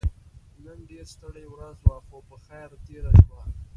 نن ډيره ستړې ورځ وه خو په خير تيره شوه.